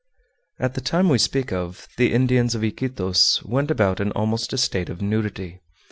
At the time we speak of the Indians of Iquitos went about in almost a state of nudity.